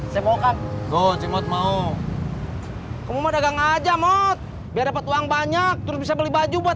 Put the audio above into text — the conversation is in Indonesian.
saya mau kak oh cemot mau kamu dagang aja mod biar dapat uang banyak terus bisa beli baju buat